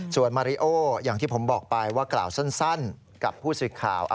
ส่วนมาริโออย่างที่ผมบอกไปว่ากล่าวสั้นกับผู้สื่อข่าว